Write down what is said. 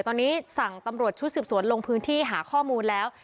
ตอนนี้สั่งตำรวจชุดสืบสวนลงพื้นที่หาข้อมูลแล้ว